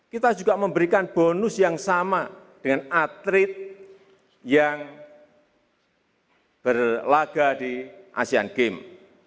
kita juga memberikan bonus yang sama dengan atlet yang berlaga di asean games